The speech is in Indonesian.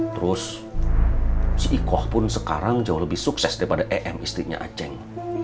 terus si ikoh pun sekarang jauh lebih sukses daripada em istrinya aceh